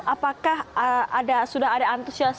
apakah sudah ada antusiasi